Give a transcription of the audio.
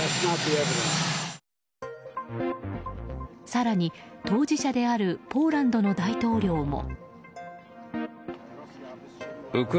更に、当事者であるポーランドの大統領も。